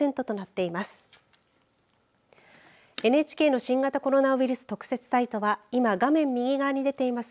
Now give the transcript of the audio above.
ＮＨＫの新型コロナウイルス特設サイトは今、画面右側に出ています